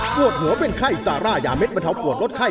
ปวดหัวเป็นไข้ซาร่ายาเด็ดบรรเทาปวดลดไข้